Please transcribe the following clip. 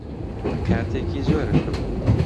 کاتێکی زۆرت هەبوو.